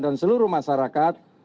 dan seluruh masyarakat